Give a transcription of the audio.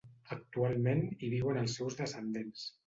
Actualment hi viuen els seus descendents.